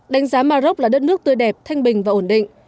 đánh giá mà rốc là đất nước tươi đẹp thanh bình và ổn định